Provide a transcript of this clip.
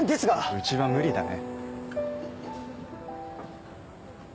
うちは無理だね。